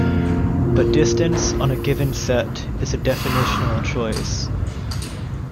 But distance on a given set is a definitional choice.